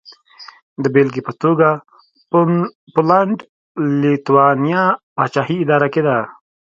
د بېلګې په توګه پولنډ-لېتوانیا پاچاهي اداره کېده.